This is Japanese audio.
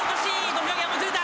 土俵際もつれた！